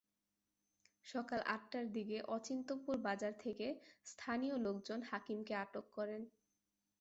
সকাল আটটার দিকে অচিন্ত্যপুর বাজার থেকে স্থানীয় লোকজন হাকিমকে আটক করেন।